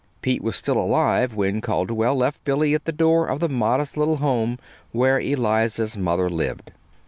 Pete was still alive when Calderwell left Billy at the door of the modest little home where Eliza's mother lived.